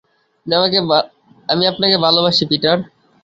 আমি আপনাকে ভালোবাসি, পিটার।